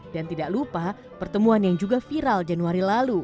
dan tidak lupa pertemuan yang juga viral januari lalu